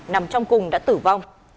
nằm trong cùng đã tử vong